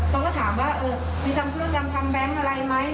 ต้องก็ถามว่าเออมีคุณผู้ชมทำแบงค์อะไรไหม